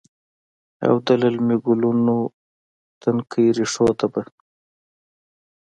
او د للمې ګلونو، تنکۍ ریښو ته به،